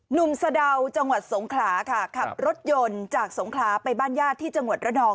สะดาวจังหวัดสงขลาค่ะขับรถยนต์จากสงขลาไปบ้านญาติที่จังหวัดระนอง